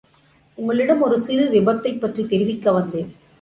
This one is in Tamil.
உங்களிடம் ஒரு சிறு விபத்தைப்பற்றித் தெரிவிக்க வத்தேன்.